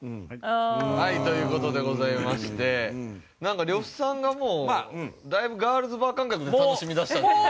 はいという事でございましてなんか呂布さんがもうだいぶガールズバー感覚で楽しみだしたっていう。